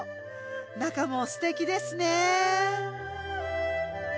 中もすてきですね。